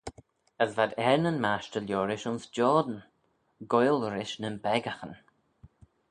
As v'ad er nyn mashtey liorish ayns Jordan, goaill-rish nyn beccaghyn.